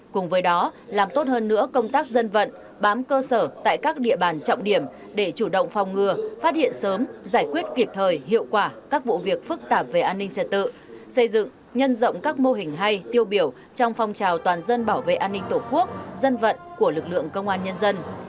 cùng với đó làm tốt hơn nữa công tác dân vận bám cơ sở tại các địa bàn trọng điểm để chủ động phòng ngừa phát hiện sớm giải quyết kịp thời hiệu quả các vụ việc phức tạp về an ninh trật tự xây dựng nhân rộng các mô hình hay tiêu biểu trong phong trào toàn dân bảo vệ an ninh tổ quốc dân vận của lực lượng công an nhân dân